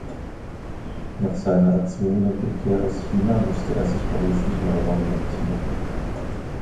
Nach seiner erzwungenen Rückkehr aus China musste er sich beruflich neu orientieren.